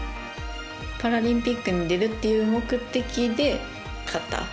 パラリンピックに出るという目的で飼った。